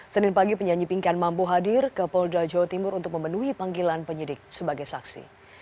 senin pagi penyanyi pingkan mampu hadir ke polda jawa timur untuk memenuhi panggilan penyidik sebagai saksi